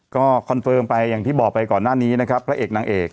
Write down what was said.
ก็คอนเฟิร์มไปอย่างที่บอกไปก่อนหน้านี้นะครับพระเอกนางเอก